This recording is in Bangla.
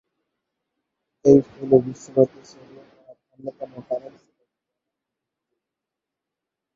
এই ফ্লু বিশ্বব্যাপী ছড়িয়ে পরার অন্যতম কারণ ছিল ভ্রমণ বৃদ্ধি।